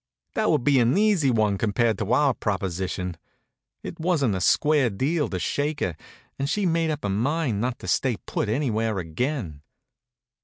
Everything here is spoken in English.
That would be an easy one compared to our proposition. It wasn't a square deal to shake her, and she'd made up her mind not to stay put anywhere again.